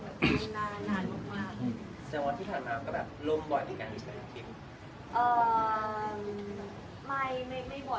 สำหรับตัวแต้วเองเลยเนี่ยก็มีบ้างมีในหลายกระแสที่แบบว่า